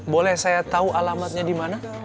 boleh saya tahu alamatnya dimana